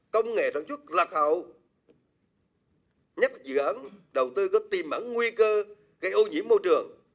công nghệ sản xuất lạc hậu nhắc dự án đầu tư có tiềm mẵn nguy cơ gây ô nhiễm môi trường